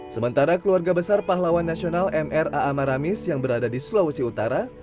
sementara keluarga besar pahlawan nasional mraa maramis yang berada di sulawesi utara